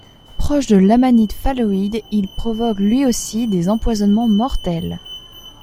Proche de l'amanite phalloïde, il provoque lui aussi des empoisonnements mortels.